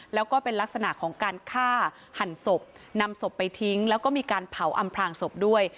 แล้วก็เป็นลักษณะของการฆ่าหันศพนำศพไปทิ้งแล้วก็มีการเผาอำพลางศพด้วย